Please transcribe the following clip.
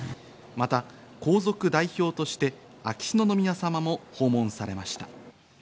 また皇族代表として秋篠宮さまも訪問されました。